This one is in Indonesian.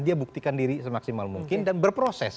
dia buktikan diri semaksimal mungkin dan berproses